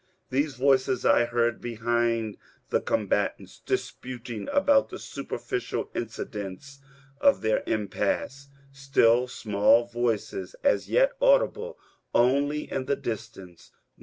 These voices I heard behind the combatants disputing about the superficial incidents of their impasse^ — still small voices, as yet audible only in the distance.